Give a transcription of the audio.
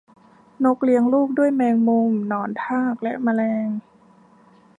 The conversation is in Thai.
นกเลี้ยงลูกด้วยแมงมุมหนอนทากและแมลง